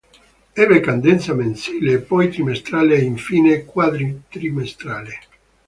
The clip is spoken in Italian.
Ebbe cadenza mensile, poi trimestrale e infine quadrimestrale.